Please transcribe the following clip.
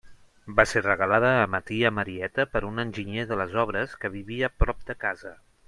Va ser regalada a ma tia Marieta per un enginyer de les obres que vivia prop de casa.